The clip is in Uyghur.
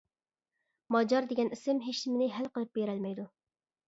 ماجار دېگەن ئىسىم ھېچنېمىنى ھەل قىلىپ بېرەلمەيدۇ.